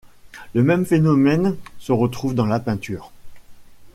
Le même phénomène se retrouve dans la peinture.